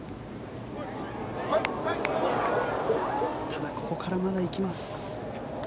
ただ、ここからまだ行きます。